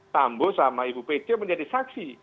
tambo sama ibu pece menjadi saksi